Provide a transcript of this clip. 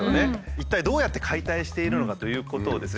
一体どうやって解体しているのかということをですね